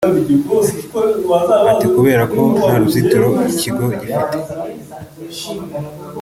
Ati “Kubera ko nta ruzitiro ikigo gifite